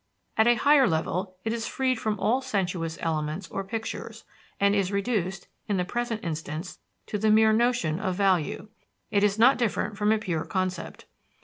At a higher level, it is freed from all sensuous elements or pictures, and is reduced, in the present instance, to the mere notion of value it is not different from a pure concept.